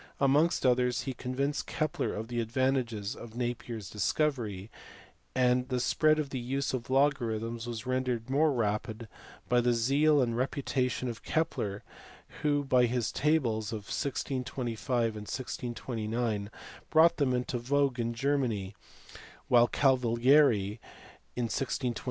Amongst others he convinced Kepler of the advantages of Napier s discovery, and the spread of the use of logarithms was rendered more rapid by the zeal and reputation of Kepler who by his tables of 1625 and 1629 brought them into vogue in Germany, while Cavalieri in 1624 and Edmund * See pp.